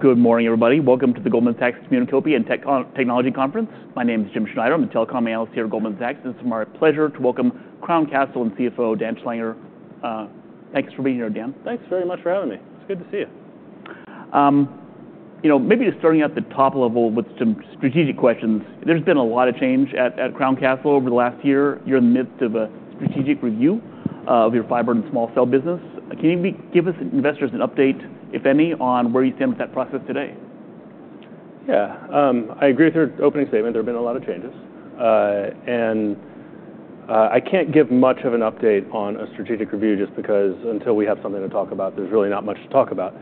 Good morning, everybody. Welcome to the Goldman Sachs Communacopia and Technology Conference. My name is Jim Schneider. I'm a telecom analyst here at Goldman Sachs, and it's my pleasure to welcome Crown Castle, CFO Dan Schlanger. Thanks for being here, Dan. Thanks very much for having me. It's good to see you. You know, maybe just starting at the top level with some strategic questions. There's been a lot of change at Crown Castle over the last year. You're in the midst of a strategic review of your fiber and small cell business. Can you give us investors an update, if any, on where you stand with that process today? Yeah. I agree with your opening statement. There have been a lot of changes. I can't give much of an update on a strategic review just because until we have something to talk about, there's really not much to talk about.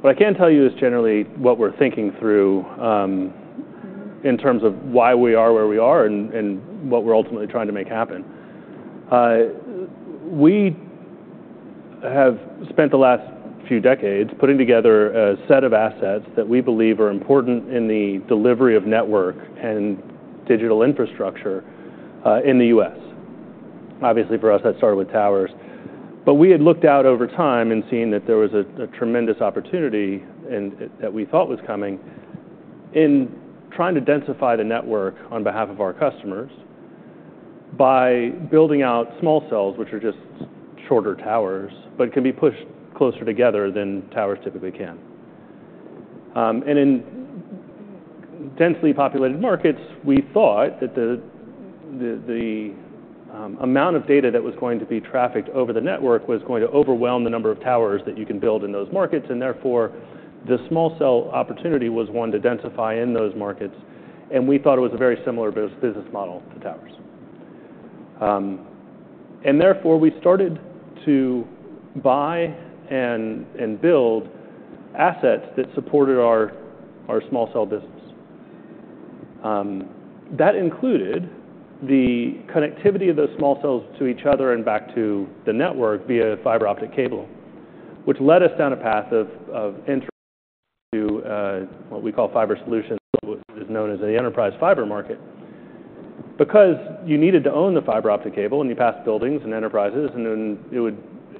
What I can tell you is generally what we're thinking through, in terms of why we are where we are and what we're ultimately trying to make happen. We have spent the last few decades putting together a set of assets that we believe are important in the delivery of network and digital infrastructure, in the U.S. Obviously, for us, that started with towers. But we had looked out over time and seen that there was a tremendous opportunity and that we thought was coming in trying to densify the network on behalf of our customers by building out small cells, which are just shorter towers, but can be pushed closer together than towers typically can. And in densely-populated markets, we thought that the amount of data that was going to be trafficked over the network was going to overwhelm the number of towers that you can build in those markets, and therefore the small cell opportunity was one to densify in those markets, and we thought it was a very similar business model to towers. And therefore we started to buy and build assets that supported our small cell business. That included the connectivity of those small cells to each other and back to the network via fiber optic cable, which led us down a path of entry to what we call fiber solutions, what is known as the enterprise fiber market. Because you needed to own the fiber optic cable, and you passed buildings and enterprises, and then it would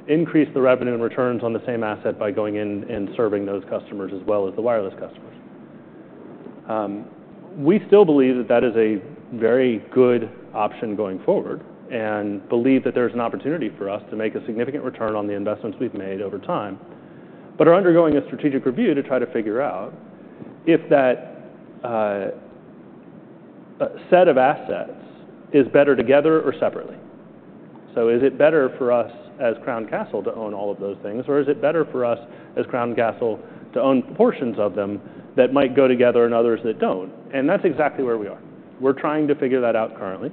increase the revenue and returns on the same asset by going in and serving those customers as well as the wireless customers. We still believe that that is a very good option going forward and believe that there's an opportunity for us to make a significant return on the investments we've made over time, but are undergoing a strategic review to try to figure out if that set of assets is better together or separately. So is it better for us as Crown Castle to own all of those things, or is it better for us as Crown Castle to own portions of them that might go together and others that don't? And that's exactly where we are. We're trying to figure that out currently.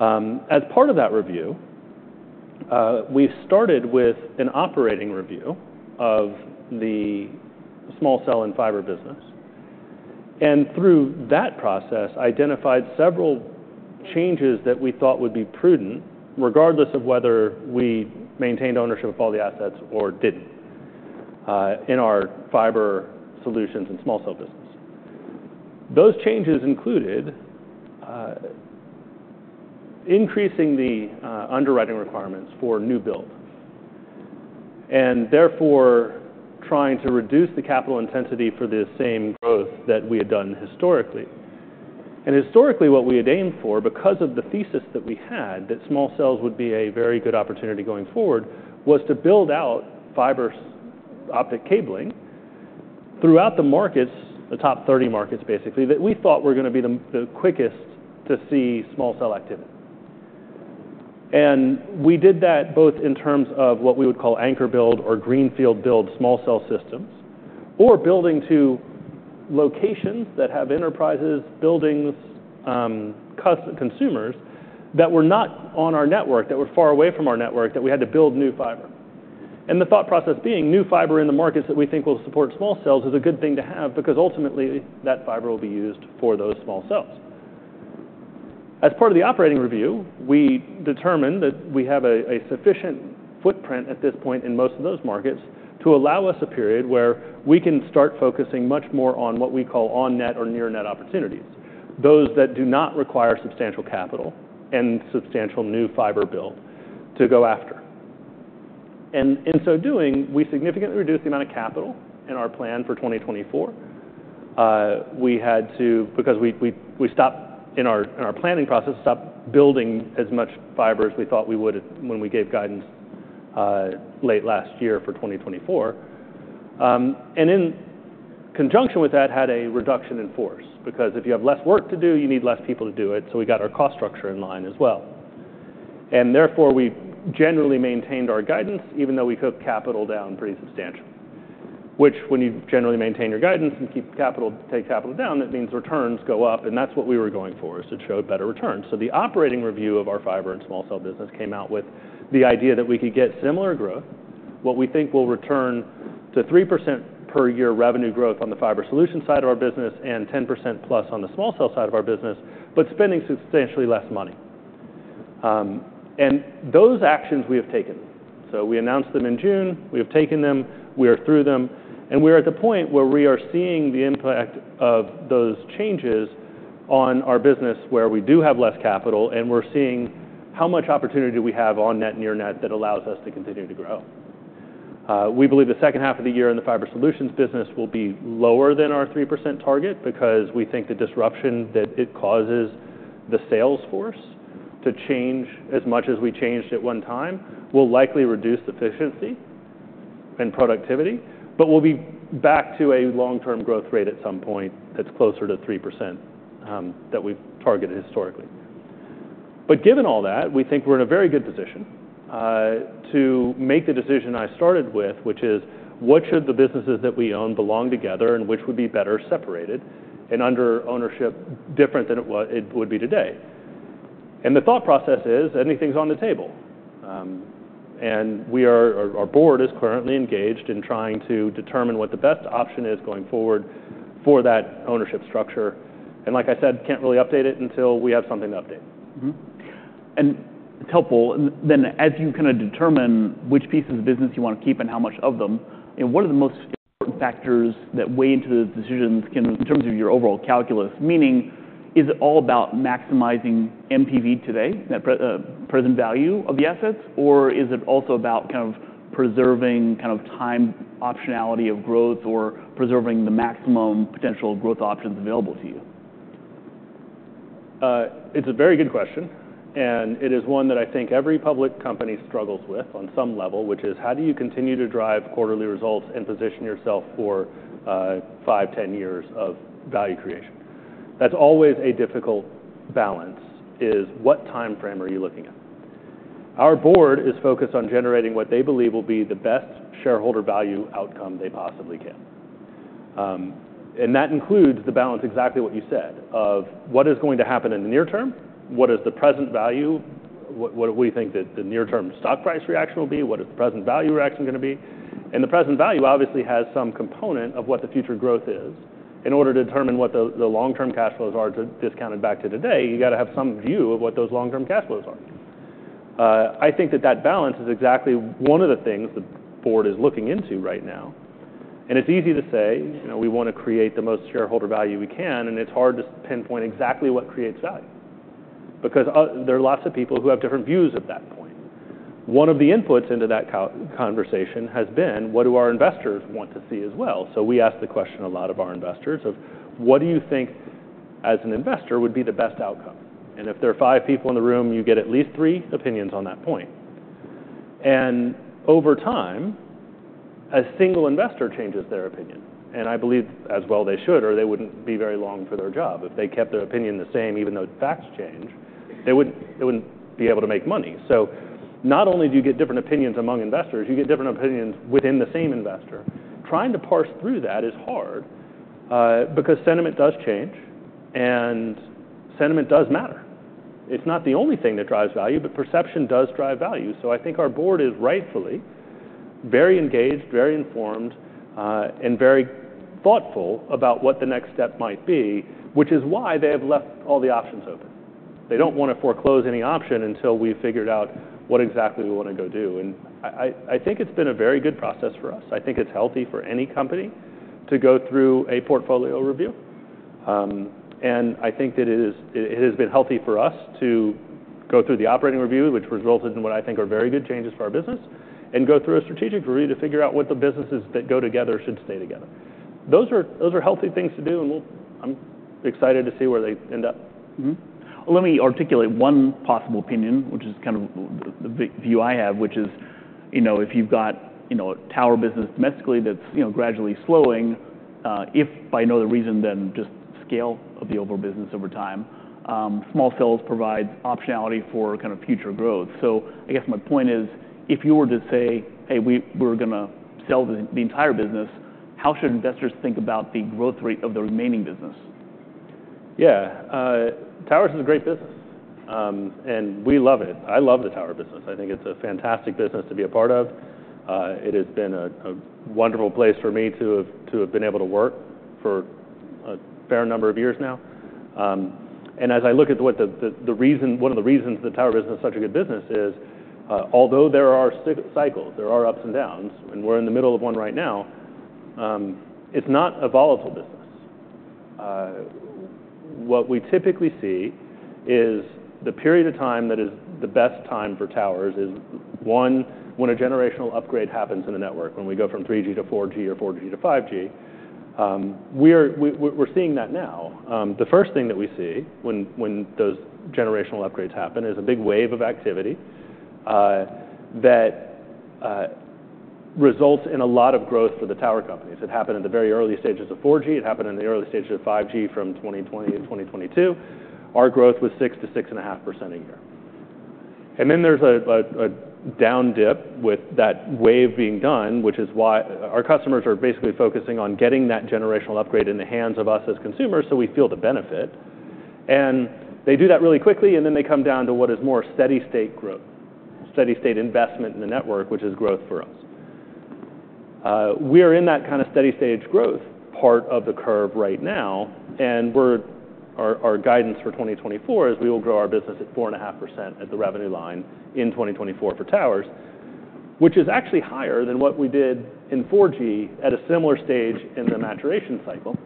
As part of that review, we started with an operating review of the small cell and fiber business, and through that process, identified several changes that we thought would be prudent, regardless of whether we maintained ownership of all the assets or didn't, in our fiber solutions and small cell business. Those changes included, increasing the underwriting requirements for new build, and therefore trying to reduce the capital intensity for the same growth that we had done historically. Historically, what we had aimed for, because of the thesis that we had, that small cells would be a very good opportunity going forward, was to build out fiber optic cabling throughout the markets, the top 30 markets, basically, that we thought were gonna be the quickest to see small cell activity. We did that both in terms of what we would call anchor build or greenfield build small cell systems, or building to locations that have enterprises, buildings, consumers that were not on our network, that were far away from our network, that we had to build new fiber. The thought process being, new fiber in the markets that we think will support small cells is a good thing to have because ultimately, that fiber will be used for those small cells. As part of the operating review, we determined that we have a sufficient footprint at this point in most of those markets to allow us a period where we can start focusing much more on what we call on-net or near-net opportunities, those that do not require substantial capital and substantial new fiber build to go after. In so doing, we significantly reduced the amount of capital in our plan for 2024. We had to, because we stopped in our planning process, stopped building as much fiber as we thought we would when we gave guidance late last year for 2024, and in conjunction with that had a reduction in force, because if you have less work to do, you need less people to do it, so we got our cost structure in line as well. Therefore, we generally maintained our guidance, even though we took capital down pretty substantially, which when you generally maintain your guidance and keep capital, take capital down, that means returns go up, and that's what we were going for, is to show better returns. The operating review of our fiber and small cell business came out with the idea that we could get similar growth, what we think will return to 3% per year revenue growth on the fiber solution side of our business and 10%+ on the small cell side of our business, but spending substantially less money. Those actions we have taken. We announced them in June. We have taken them, we are through them, and we are at the point where we are seeing the impact of those changes on our business where we do have less capital, and we're seeing how much opportunity do we have on-net, near-net, that allows us to continue to grow. We believe the second half of the year in the fiber solutions business will be lower than our 3% target, because we think the disruption that it causes the sales force to change as much as we changed at one time, will likely reduce efficiency and productivity, but we'll be back to a long-term growth rate at some point that's closer to 3%, that we've targeted historically, but given all that, we think we're in a very good position, to make the decision I started with, which is: What should the businesses that we own belong together, and which would be better separated and under ownership different than it would be today? And the thought process is, anything's on the table. And our board is currently engaged in trying to determine what the best option is, going forward, for that ownership structure. And like I said, can't really update it until we have something to update. It's helpful. As you kind of determine which pieces of the business you want to keep and how much of them, and what are the most important factors that weigh into the decisions in terms of your overall calculus? Meaning, is it all about maximizing NPV today, that present value of the assets, or is it also about kind of preserving kind of time optionality of growth or preserving the maximum potential growth options available to you? It's a very good question, and it is one that I think every public company struggles with on some level, which is: How do you continue to drive quarterly results and position yourself for five, 10 years of value creation? That's always a difficult balance: what time frame are you looking at? Our board is focused on generating what they believe will be the best shareholder value outcome they possibly can. And that includes the balance, exactly what you said, of what is going to happen in the near term, what is the present value, what do we think the near-term stock price reaction will be, what is the present value reaction going to be? And the present value obviously has some component of what the future growth is. In order to determine what the long-term cash flows are to discount it back to today, you got to have some view of what those long-term cash flows are. I think that balance is exactly one of the things the board is looking into right now. And it's easy to say, you know, we want to create the most shareholder value we can, and it's hard to pinpoint exactly what creates value because there are lots of people who have different views at that point. One of the inputs into that conversation has been, what do our investors want to see as well? So we asked the question a lot of our investors, of: What do you think, as an investor, would be the best outcome? And if there are five people in the room, you get at least three opinions on that point. Over time, a single investor changes their opinion, and I believe as well they should, or they wouldn't be very long for their job. If they kept their opinion the same, even though the facts change, they wouldn't be able to make money. Not only do you get different opinions among investors, you get different opinions within the same investor. Trying to parse through that is hard, because sentiment does change and sentiment does matter. It's not the only thing that drives value, but perception does drive value. I think our board is rightfully very engaged, very informed, and very thoughtful about what the next step might be, which is why they have left all the options open. They don't want to foreclose any option until we've figured out what exactly we want to go do, and I think it's been a very good process for us. I think it's healthy for any company to go through a portfolio review. And I think that it has been healthy for us to go through the operating review, which resulted in what I think are very good changes for our business, and go through a strategic review to figure out what the businesses that go together should stay together. Those are healthy things to do, and we'll. I'm excited to see where they end up. Let me articulate one possible opinion, which is kind of the view I have, which is, you know, if you've got, you know, a tower business domestically, that's, you know, gradually slowing, if by no other reason than just scale of the overall business over time, small cells provide optionality for kind of future growth. So I guess my point is, if you were to say, "Hey, we're going to sell the entire business," how should investors think about the growth rate of the remaining business? Yeah. Towers is a great business, and we love it. I love the tower business. I think it's a fantastic business to be a part of. It has been a wonderful place for me to have been able to work for a fair number of years now. And as I look at what one of the reasons the tower business is such a good business is, although there are cycles, there are ups and downs, and we're in the middle of one right now, it's not a volatile business. What we typically see is the period of time that is the best time for towers is, one, when a generational upgrade happens in a network, when we go from 3G to 4G or 4G to 5G. We're seeing that now. The first thing that we see when those generational upgrades happen is a big wave of activity that results in a lot of growth for the tower companies. It happened in the very early stages of 4G. It happened in the early stages of 5G from 2020-2022. Our growth was 6%-6.5% a year. And then there's a down dip with that wave being done, which is why our customers are basically focusing on getting that generational upgrade in the hands of us as consumers, so we feel the benefit. And they do that really quickly, and then they come down to what is more steady state growth, steady state investment in the network, which is growth for us. We are in that kind of steady stage growth part of the curve right now, and we're, our guidance for 2024 is we will grow our business at 4.5% at the revenue line in 2024 for towers, which is actually higher than what we did in 4G at a similar stage in the maturation cycle.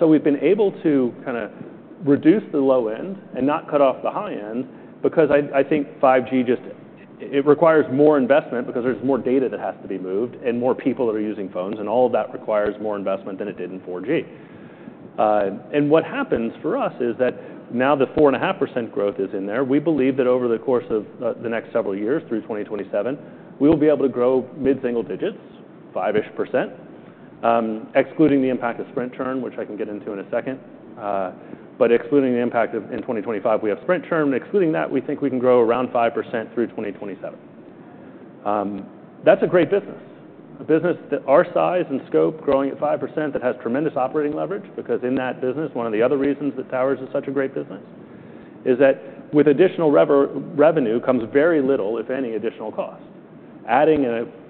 So we've been able to kinda reduce the low end and not cut off the high end because I think 5G just, it requires more investment because there's more data that has to be moved and more people that are using phones, and all of that requires more investment than it did in 4G. And what happens for us is that now the 4.5% growth is in there. We believe that over the course of the next several years, through 2027, we will be able to grow mid-single digits, 5%-ish, excluding the impact of Sprint churn, which I can get into in a second. But excluding the impact of in 2025, we have Sprint churn, excluding that, we think we can grow around 5% through 2027. That's a great business, a business that our size and scope, growing at 5%, that has tremendous operating leverage, because in that business, one of the other reasons that towers is such a great business, is that with additional revenue comes very little, if any, additional cost. Adding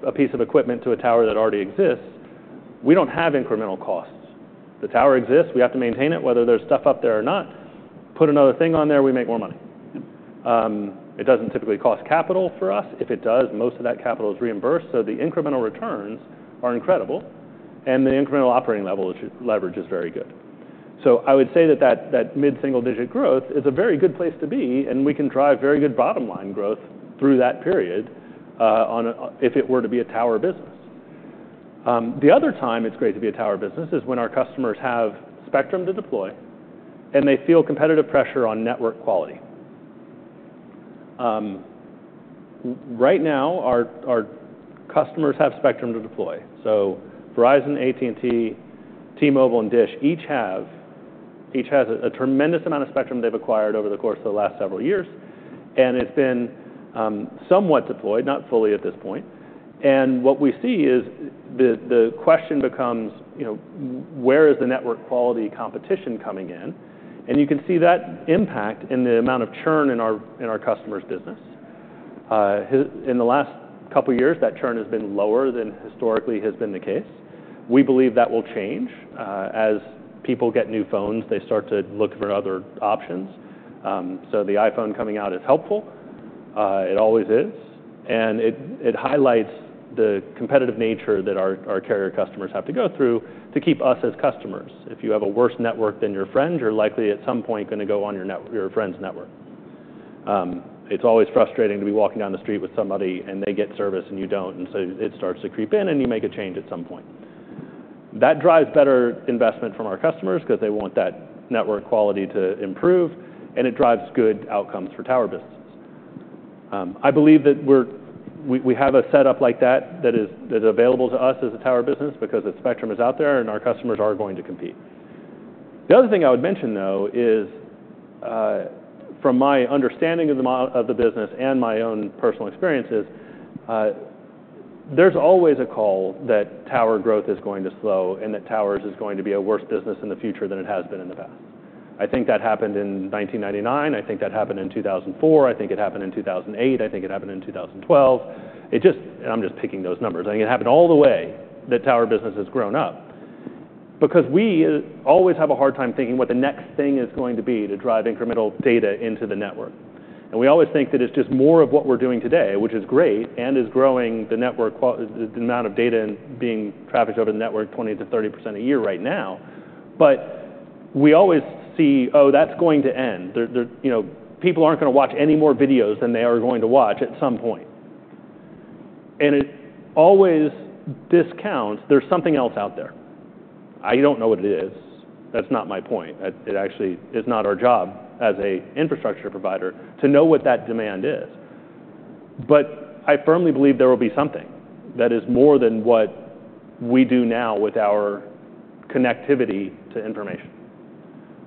a piece of equipment to a tower that already exists, we don't have incremental costs. The tower exists, we have to maintain it, whether there's stuff up there or not. Put another thing on there, we make more money. It doesn't typically cost capital for us. If it does, most of that capital is reimbursed, so the incremental returns are incredible, and the incremental operating level, which is leverage, is very good. So I would say that mid-single-digit growth is a very good place to be, and we can drive very good bottom line growth through that period, on a if it were to be a tower business. The other time it's great to be a tower business is when our customers have spectrum to deploy and they feel competitive pressure on network quality. Right now, our customers have spectrum to deploy. So Verizon, AT&T, T-Mobile, and Dish each has a tremendous amount of spectrum they've acquired over the course of the last several years, and it's been somewhat deployed, not fully at this point. And what we see is the question becomes, you know, where is the network quality competition coming in? And you can see that impact in the amount of churn in our customers' business. In the last couple of years, that churn has been lower than historically has been the case. We believe that will change. As people get new phones, they start to look for other options. So the iPhone coming out is helpful. It always is, and it highlights the competitive nature that our carrier customers have to go through to keep us as customers. If you have a worse network than your friend, you're likely at some point gonna go on your friend's network. It's always frustrating to be walking down the street with somebody and they get service and you don't, and so it starts to creep in, and you make a change at some point. That drives better investment from our customers because they want that network quality to improve, and it drives good outcomes for tower businesses. I believe that we have a setup like that that is available to us as a tower business because the spectrum is out there and our customers are going to compete. The other thing I would mention, though, is, from my understanding of the business and my own personal experiences, there's always a call that tower growth is going to slow and that towers is going to be a worse business in the future than it has been in the past. I think that happened in 1999, I think that happened in 2004, I think that happened in 2008, I think that happened in2012. It just... And I'm just picking those numbers. I think it happened all the way that tower business has grown up. Because we always have a hard time thinking what the next thing is going to be to drive incremental data into the network. And we always think that it's just more of what we're doing today, which is great and is growing the network quality, the amount of data being trafficked over the network 20%-30% a year right now. But we always see, oh, that's going to end. There you know, people aren't gonna watch any more videos than they are going to watch at some point. And it always discounts there's something else out there. I don't know what it is. That's not my point. It actually is not our job as a infrastructure provider to know what that demand is. But I firmly believe there will be something that is more than what we do now with our connectivity to information.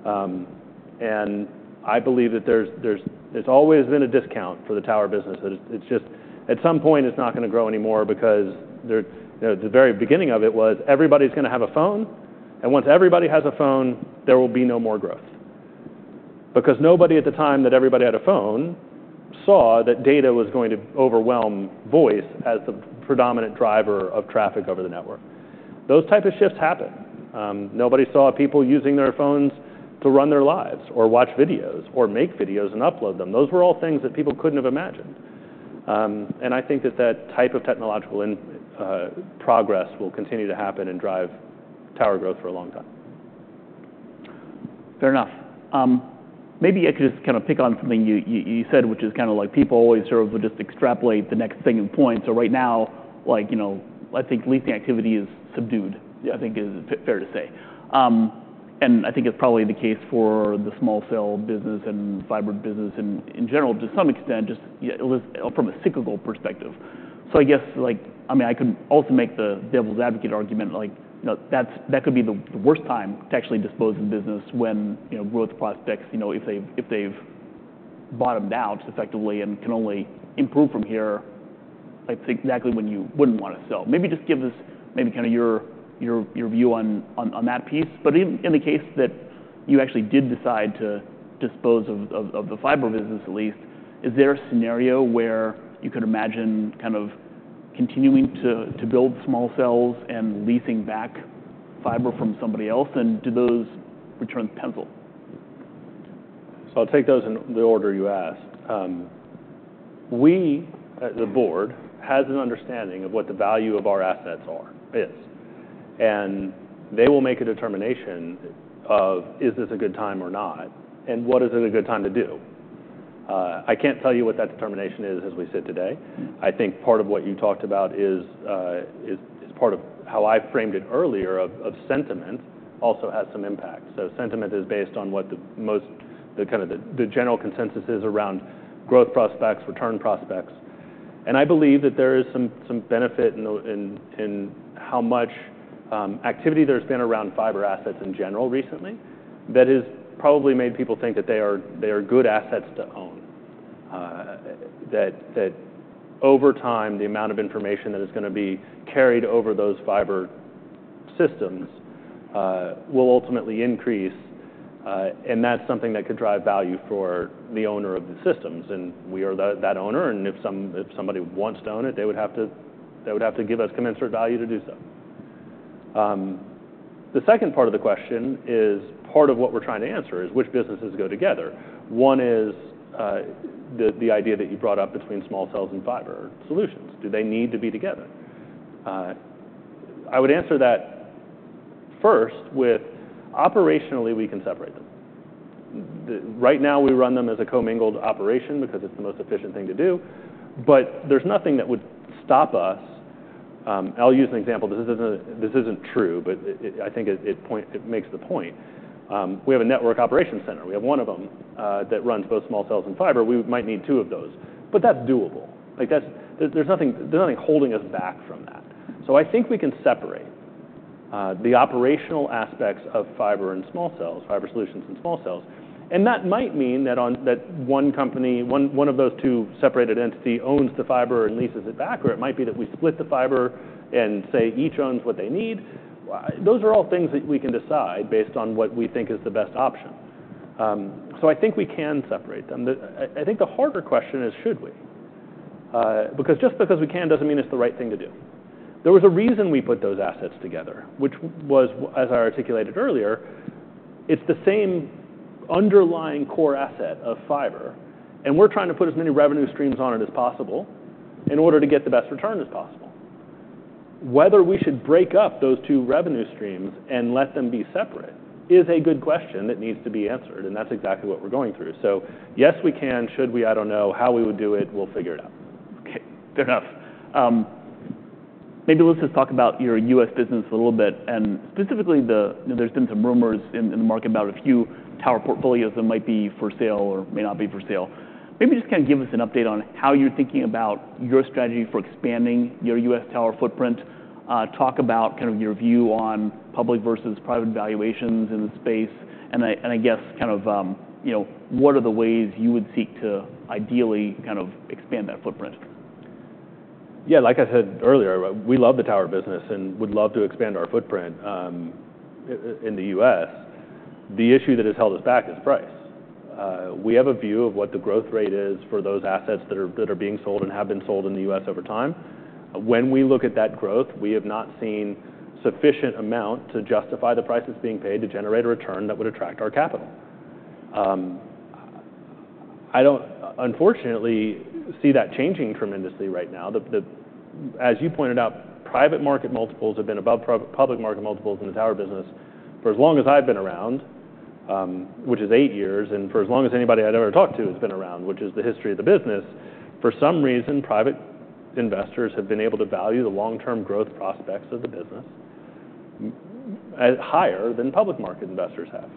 And I believe that there's always been a discount for the tower business. It's just, at some point, it's not gonna grow anymore because, you know, the very beginning of it was, everybody's gonna have a phone, and once everybody has a phone, there will be no more growth. Because nobody at the time that everybody had a phone saw that data was going to overwhelm voice as the predominant driver of traffic over the network. Those type of shifts happen. Nobody saw people using their phones to run their lives or watch videos or make videos and upload them. Those were all things that people couldn't have imagined. And I think that that type of technological progress will continue to happen and drive tower growth for a long time. Fair enough. Maybe I could just kind of pick on something you said, which is kinda like people always sort of would just extrapolate the next thing in point. So right now, like, you know, I think leasing activity is subdued, I think is fair to say. And I think it's probably the case for the small cell business and fiber business in general, to some extent, just from a cyclical perspective. So I guess, like, I mean, I could also make the devil's advocate argument, like, you know, that's that could be the worst time to actually dispose the business when, you know, growth prospects, you know, if they've bottomed out effectively and can only improve from here, that's exactly when you wouldn't want to sell. Maybe just give us maybe kinda your view on that piece. But in the case that you actually did decide to dispose of the fiber business, at least, is there a scenario where you could imagine kind of continuing to build small cells and leasing back fiber from somebody else, and do those returns pencil? So I'll take those in the order you asked. We, as the board, has an understanding of what the value of our assets are, and they will make a determination of, is this a good time or not, and what is it a good time to do? I can't tell you what that determination is, as we sit today. I think part of what you talked about is part of how I framed it earlier of sentiment also has some impact. So sentiment is based on what the kind of general consensus is around growth prospects, return prospects, and I believe that there is some benefit in how much activity there's been around fiber assets in general recently, that has probably made people think that they are good assets to own. That over time, the amount of information that is gonna be carried over those fiber systems will ultimately increase, and that's something that could drive value for the owner of the systems, and we are that owner, and if somebody wants to own it, they would have to give us commensurate value to do so. The second part of the question is, part of what we're trying to answer, is which businesses go together? One is the idea that you brought up between small cells and fiber solutions. Do they need to be together? I would answer that first with operationally, we can separate them. Right now, we run them as a commingled operation because it's the most efficient thing to do, but there's nothing that would stop us. I'll use an example. This isn't true, but it makes the point. We have a network operations center. We have one of them that runs both small cells and fiber. We might need two of those, but that's doable. Like that's, there's nothing holding us back from that. So I think we can separate the operational aspects of fiber and small cells, fiber solutions and small cells, and that might mean that one company, one of those two separated entities owns the fiber and leases it back, or it might be that we split the fiber and say each owns what they need. Those are all things that we can decide based on what we think is the best option. So I think we can separate them. I think the harder question is, should we? Because just because we can, doesn't mean it's the right thing to do. There was a reason we put those assets together, which was, as I articulated earlier, it's the same underlying core asset of fiber, and we're trying to put as many revenue streams on it as possible in order to get the best return as possible. Whether we should break up those two revenue streams and let them be separate is a good question that needs to be answered, and that's exactly what we're going through. So yes, we can. Should we? I don't know how we would do it. We'll figure it out. Okay, fair enough. Maybe let's just talk about your U.S. business a little bit, and specifically, the, you know, there's been some rumors in the market about a few tower portfolios that might be for sale or may not be for sale. Maybe just kind of give us an update on how you're thinking about your strategy for expanding your U.S. tower footprint. Talk about kind of your view on public versus private valuations in the space, and I guess kind of, you know, what are the ways you would seek to ideally kind of expand that footprint? Yeah, like I said earlier, we love the tower business and would love to expand our footprint in the U.S. The issue that has held us back is price. We have a view of what the growth rate is for those assets that are being sold and have been sold in the U.S. over time. When we look at that growth, we have not seen sufficient amount to justify the prices being paid to generate a return that would attract our capital. I don't, unfortunately, see that changing tremendously right now. As you pointed out, private market multiples have been above public market multiples in the tower business for as long as I've been around, which is eight years, and for as long as anybody I've ever talked to has been around, which is the history of the business. For some reason, private investors have been able to value the long-term growth prospects of the business at higher than public market investors have.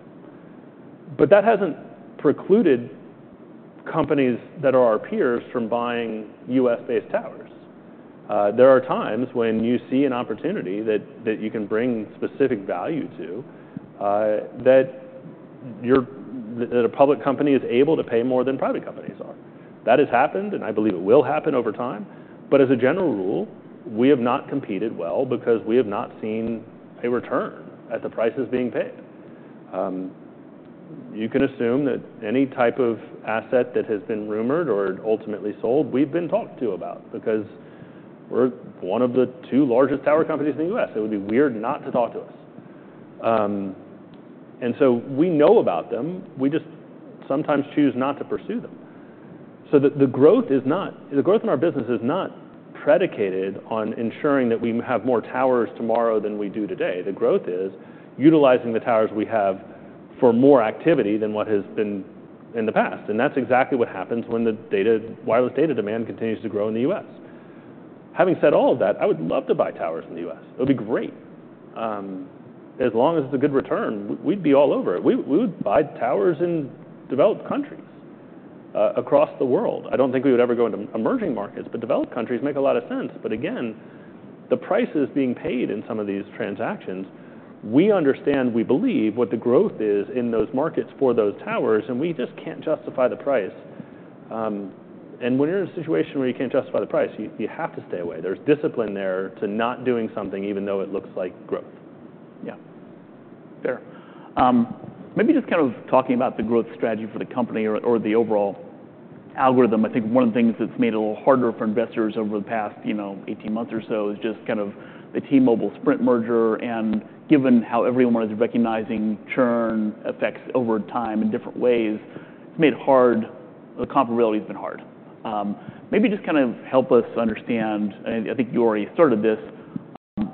But that hasn't precluded companies that are our peers from buying U.S.-based towers. There are times when you see an opportunity that you can bring specific value to, that a public company is able to pay more than private companies are. That has happened, and I believe it will happen over time, but as a general rule, we have not competed well because we have not seen a return at the prices being paid. You can assume that any type of asset that has been rumored or ultimately sold, we've been talked to about because we're one of the two largest tower companies in the U.S., so it would be weird not to talk to us. And so we know about them, we just sometimes choose not to pursue them. So the growth is not... The growth in our business is not predicated on ensuring that we have more towers tomorrow than we do today. The growth is utilizing the towers we have for more activity than what has been in the past, and that's exactly what happens when the data, wireless data demand continues to grow in the U.S. Having said all of that, I would love to buy towers in the U.S. It would be great. As long as it's a good return, we'd be all over it. We would buy towers in developed countries, across the world. I don't think we would ever go into emerging markets, but developed countries make a lot of sense. But again, the prices being paid in some of these transactions, we understand, we believe, what the growth is in those markets for those towers, and we just can't justify the price, and when you're in a situation where you can't justify the price, you have to stay away. There's discipline there to not doing something even though it looks like growth. Yeah, fair. Maybe just kind of talking about the growth strategy for the company or the overall algorithm. I think one of the things that's made it a little harder for investors over the past, you know, eighteen months or so is just kind of the T-Mobile Sprint merger. And given how everyone was recognizing churn effects over time in different ways, it's made it hard. The comparability has been hard. Maybe just kind of help us understand, and I think you already started this,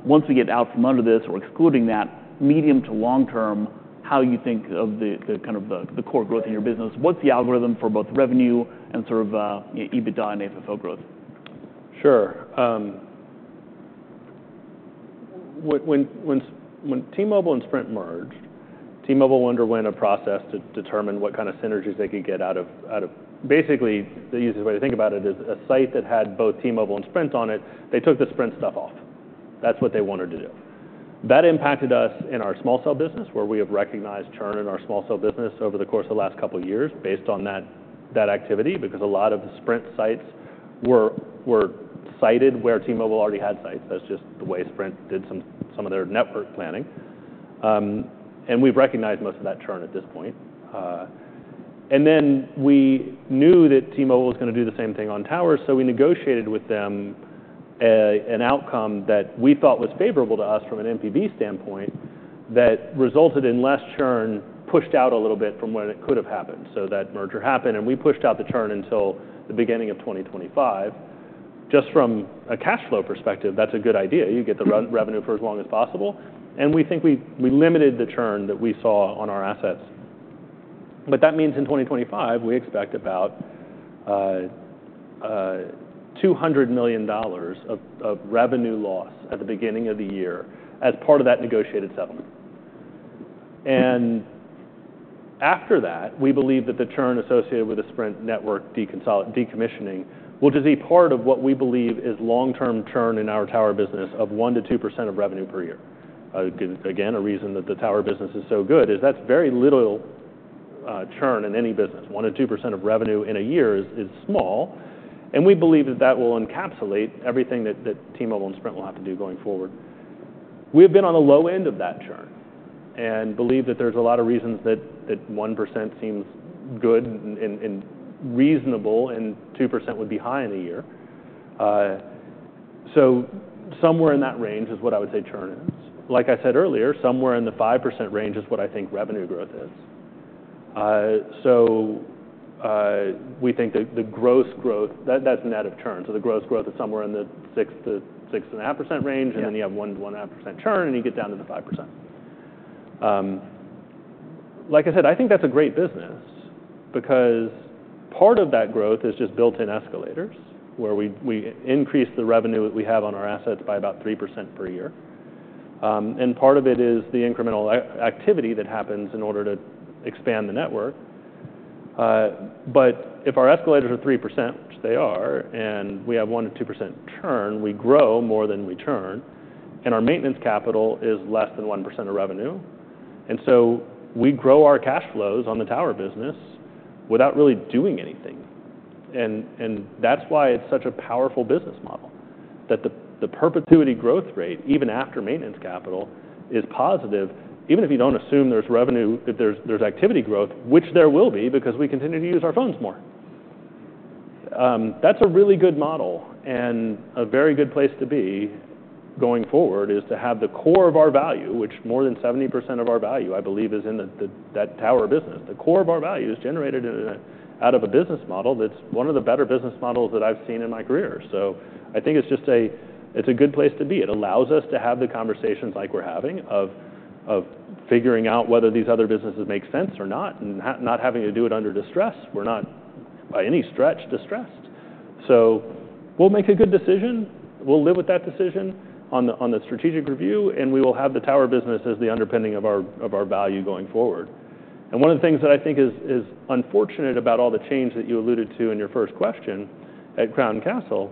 once we get out from under this, or excluding that, medium- to long-term, how you think of the kind of the core growth in your business. What's the algorithm for both revenue and sort of EBITDA and FFO growth? Sure. When T-Mobile and Sprint merged, T-Mobile underwent a process to determine what kind of synergies they could get out of basically, the easiest way to think about it is a site that had both T-Mobile and Sprint on it, they took the Sprint stuff off. That's what they wanted to do. That impacted us in our small cell business, where we have recognized churn in our small cell business over the course of the last couple of years based on that activity, because a lot of the Sprint sites were sited where T-Mobile already had sites. That's just the way Sprint did some of their network planning, and we've recognized most of that churn at this point. And then we knew that T-Mobile was gonna do the same thing on towers, so we negotiated with them an outcome that we thought was favorable to us from an NPV standpoint, that resulted in less churn, pushed out a little bit from when it could have happened. So that merger happened, and we pushed out the churn until the beginning of 2025. Just from a cash flow perspective, that's a good idea. You get the revenue for as long as possible, and we think we limited the churn that we saw on our assets. But that means in 2025, we expect about $200 million of revenue loss at the beginning of the year as part of that negotiated settlement. After that, we believe that the churn associated with the Sprint network decommissioning will just be part of what we believe is long-term churn in our tower business of 1%-2% of revenue per year. Again, a reason that the tower business is so good is that's very little churn in any business. 1%-2% of revenue in a year is small, and we believe that that will encapsulate everything that T-Mobile and Sprint will have to do going forward. We have been on the low end of that churn and believe that there's a lot of reasons that 1% seems good and reasonable, and 2% would be high in a year. So somewhere in that range is what I would say churn is. Like I said earlier, somewhere in the 5% range is what I think revenue growth is. So, we think that the gross growth, that's net of churn, so the gross growth is somewhere in the 6%-6.5% range- Yeah. And then you have 1-1.5% churn, and you get down to the 5%. Like I said, I think that's a great business because part of that growth is just built-in escalators, where we, we increase the revenue that we have on our assets by about 3% per year. And part of it is the incremental activity that happens in order to expand the network. But if our escalators are 3%, which they are, and we have 1%-2% churn, we grow more than we churn, and our maintenance capital is less than 1% of revenue. And so we grow our cash flows on the tower business without really doing anything. That's why it's such a powerful business model, that the perpetuity growth rate, even after maintenance capital, is positive, even if you don't assume there's revenue, that there's activity growth, which there will be because we continue to use our phones more. That's a really good model and a very good place to be going forward, is to have the core of our value, which more than 70% of our value, I believe, is in the tower business. The core of our value is generated out of a business model that's one of the better business models that I've seen in my career. So I think it's just a good place to be. It allows us to have the conversations like we're having of figuring out whether these other businesses make sense or not and not having to do it under distress. We're not, by any stretch, distressed. So we'll make a good decision. We'll live with that decision on the strategic review, and we will have the tower business as the underpinning of our value going forward. And one of the things that I think is unfortunate about all the change that you alluded to in your first question at Crown Castle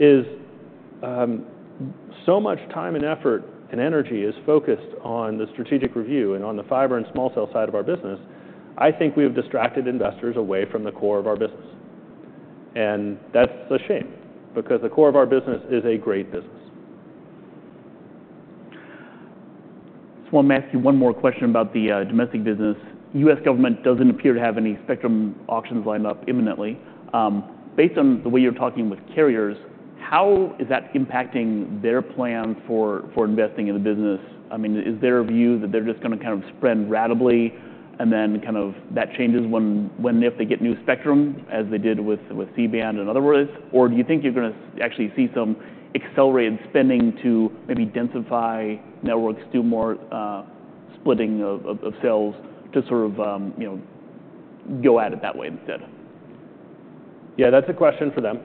is so much time and effort and energy is focused on the strategic review and on the fiber and small cell side of our business. I think we have distracted investors away from the core of our business, and that's a shame because the core of our business is a great business. Just want to ask you one more question about the domestic business. U.S. government doesn't appear to have any spectrum auctions lined up imminently. Based on the way you're talking with carriers, how is that impacting their plan for investing in the business? I mean, is there a view that they're just gonna kind of spend ratably and then kind of that changes when, if they get new spectrum, as they did with C-band and other words? Or do you think you're gonna actually see some accelerated spending to maybe densify networks, do more splitting of sites to sort of, you know, go at it that way instead? Yeah, that's a question for them.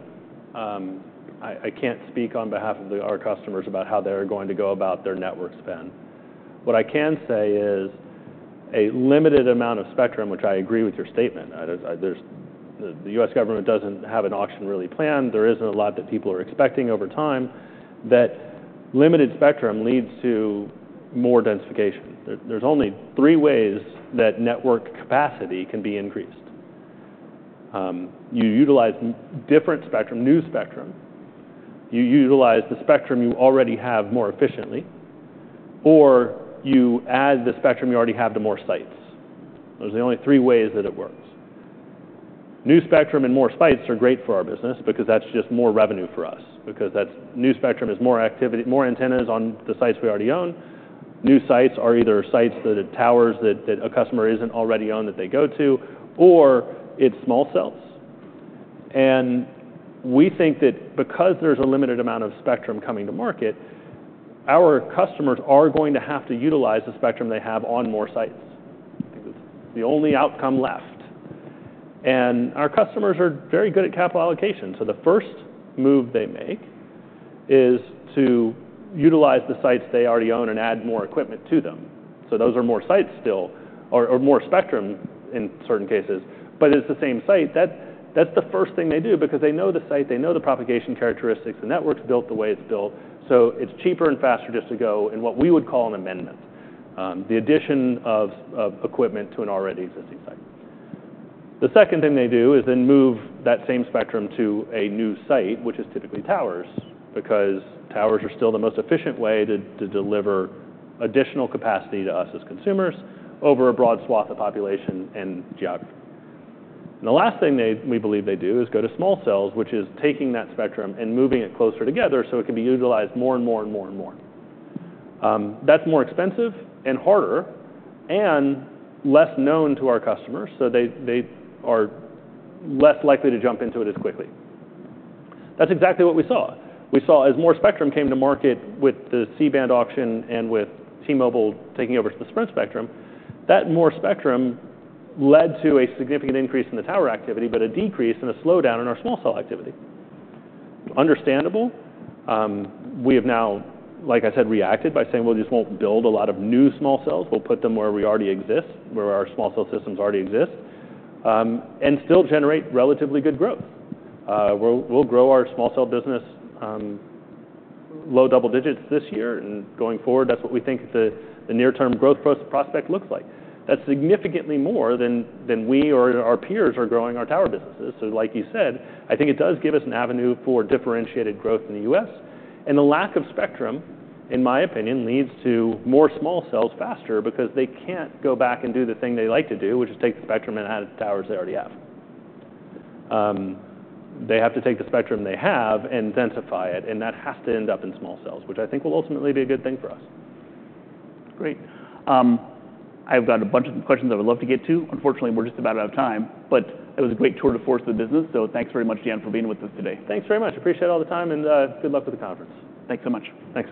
I can't speak on behalf of our customers about how they're going to go about their network spend. What I can say is a limited amount of spectrum, which I agree with your statement. There's the U.S. government doesn't have an auction really planned. There isn't a lot that people are expecting over time. That limited spectrum leads to more densification. There's only three ways that network capacity can be increased. You utilize different spectrum, new spectrum, you utilize the spectrum you already have more efficiently... or you add the spectrum you already have to more sites. Those are the only three ways that it works. New spectrum and more sites are great for our business because that's just more revenue for us, because that's new spectrum is more activity, more antennas on the sites we already own. New sites are either sites that have towers that a customer isn't already on that they go to, or it's small cells, and we think that because there's a limited amount of spectrum coming to market, our customers are going to have to utilize the spectrum they have on more sites. I think that's the only outcome left, and our customers are very good at capital allocation, so the first move they make is to utilize the sites they already own and add more equipment to them, so those are more sites still or more spectrum in certain cases, but it's the same site. That's, that's the first thing they do because they know the site, they know the propagation characteristics, the network's built the way it's built, so it's cheaper and faster just to go in what we would call an amendment, the addition of equipment to an already existing site. The second thing they do is then move that same spectrum to a new site, which is typically towers, because towers are still the most efficient way to deliver additional capacity to us as consumers over a broad swath of population and geography. The last thing they, we believe they do is go to small cells, which is taking that spectrum and moving it closer together so it can be utilized more and more and more and more. That's more expensive and harder and less known to our customers, so they are less likely to jump into it as quickly. That's exactly what we saw. We saw as more spectrum came to market with the C-band auction and with T-Mobile taking over the Sprint spectrum, that more spectrum led to a significant increase in the tower activity, but a decrease and a slowdown in our small cell activity. Understandable. We have now, like I said, reacted by saying, "Well, we just won't build a lot of new small cells. We'll put them where we already exist, where our small cell systems already exist," and still generate relatively good growth. We'll grow our small cell business low double digits this year and going forward. That's what we think the near-term growth prospect looks like. That's significantly more than we or our peers are growing our tower businesses. So like you said, I think it does give us an avenue for differentiated growth in the U.S. And the lack of spectrum, in my opinion, leads to more small cells faster because they can't go back and do the thing they like to do, which is take the spectrum and add it to towers they already have. They have to take the spectrum they have and densify it, and that has to end up in small cells, which I think will ultimately be a good thing for us. Great. I've got a bunch of questions I would love to get to. Unfortunately, we're just about out of time, but it was a great tour de force of the business, so thanks very much, Dan, for being with us today. Thanks very much. Appreciate all the time, and, good luck with the conference. Thanks so much. Thanks.